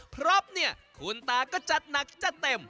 เพราะเนี่ยคุณตาก็จัดหนักจัดเต็ม